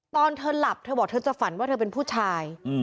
ตอนเธอหลับเธอบอกเธอจะฝันว่าเธอเป็นผู้ชาย